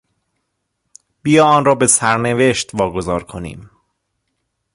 بیا آن را به سرنوشت واگذار کنیم.